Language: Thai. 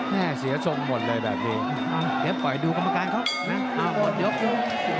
แน่เสียทรงหมดเลยแบบนี้